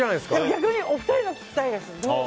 逆にお二人の聞きたいです。